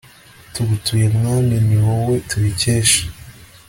tugutuye mwami ni wowe tubikesha